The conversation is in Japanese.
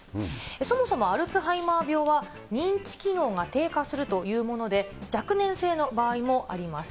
そもそもアルツハイマー病は、認知機能が低下するというもので、若年性の場合もあります。